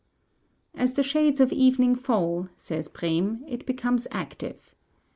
As the shades of evening fall, says Brehm, it becomes active.